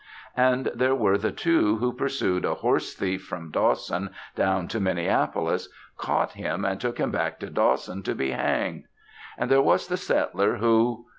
And there were the two who pursued a horse thief from Dawson down to Minneapolis, caught him, and took him back to Dawson to be hanged. And there was the settler, who....